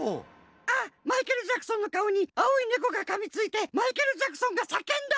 あっマイケル・ジャクソンのかおに青いネコがかみついてマイケル・ジャクソンがさけんだ！